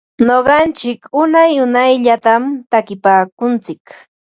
Nuqantsik unay unayllatam takinpaakuntsik.